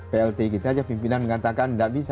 plt kita aja pimpinan mengatakan tidak bisa